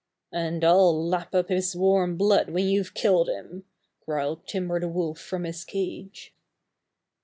"And I'll lap up his warm blood when you've killed him," growled Timber the Wolf from his cage.